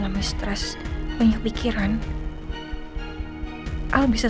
ini sistemnya nggak nemba